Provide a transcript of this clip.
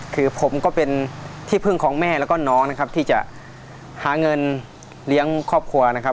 คือผมก็เป็นที่พึ่งของแม่แล้วก็น้องนะครับที่จะหาเงินเลี้ยงครอบครัวนะครับ